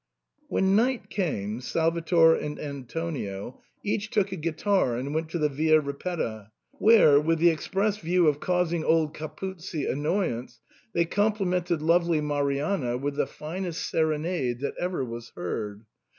When night came, Salvator and Antonio each took SIGNOR FORMICA. 121 a guitar and went to the Via Ripetta, where, with the express view of causing old Capuzzi annoyance, they complimented lovely Marianna with the finest serenade that ever was heard.